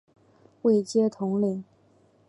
位阶统领。